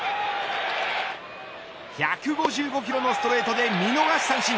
１５５キロのストレートで見逃し三振。